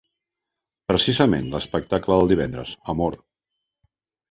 Precisament l’espectacle del divendres, Amor.